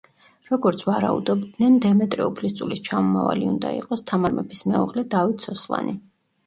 როგორც ვარაუდობდნენ, დემეტრე უფლისწულის ჩამომავალი უნდა იყოს თამარ მეფის მეუღლე დავით სოსლანი.